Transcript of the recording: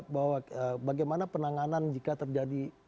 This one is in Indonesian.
bahwa bagaimana penanganan jika terjadi